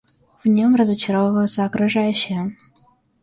В нем разочаровываются окружающие.